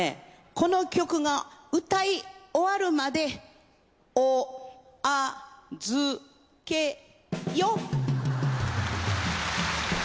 この曲が歌い終わるまでおあずけよ！